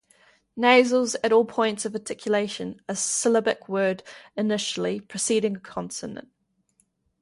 Nasals at all points of articulation are syllabic word-initially preceding a consonant.